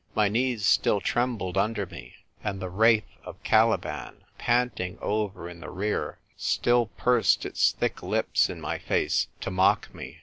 My knees still trembled under me, and the wraith of Caliban, panting ever in the rear, still pursed its thick lips in my face to mock me.